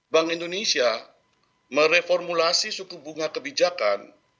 bank indonesia mereformulasi suku bunga kebijakan